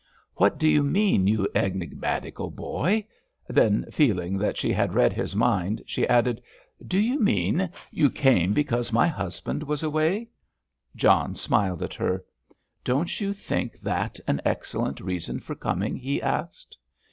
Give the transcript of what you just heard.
"What do you mean, you enigmatical boy?" Then feeling that she had read his mind, she added: "Do you mean—you came because my husband was away?" John smiled at her. "Don't you think that an excellent reason for coming?" he asked.